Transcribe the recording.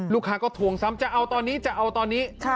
ลูกค้าก็ทวงซ้ำจะเอาตอนนี้จะเอาตอนนี้